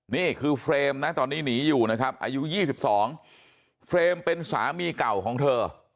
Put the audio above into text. นี่คือเฟรมนะตอนนี้หนีอยู่นะครับอายุ๒๒เฟรมเป็นสามีเก่าของเธอ